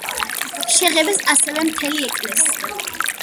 შეღებეს ასევე მთელი ეკლესია.